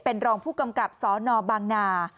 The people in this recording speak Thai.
เป็นรองผู้กำกับสนบางนา